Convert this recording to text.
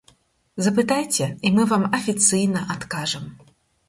Запытайце, і мы вам афіцыйна адкажам.